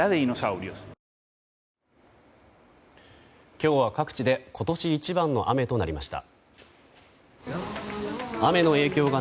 今日は各地で今年一番の雨となりました。